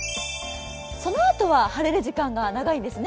そのあとは晴れる時間が長いんですね。